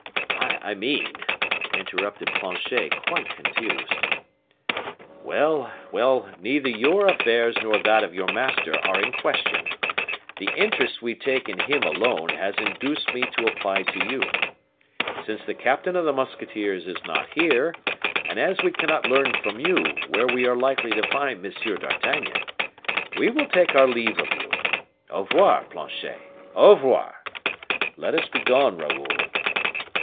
"I mean " interrupted Planchet, quite confused. "Well, well; neither your affairs nor those of your master are in question; the interest we take in him alone has induced me to apply to you. Since the captain of the musketeers is not here, and as we cannot learn from you where we are likely to find M. d'Artagnan, we will take our leave of you. Au revoir, Planchet, au revoir. Let us be gone, Raoul."